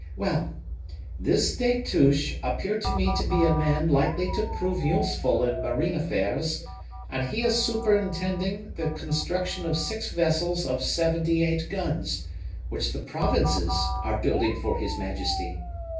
Well, this Destouches appeared to me to be a man likely to prove useful in marine affairs, and he is superintending the construction of six vessels of seventy eight guns, which the Provinces are building for his majesty.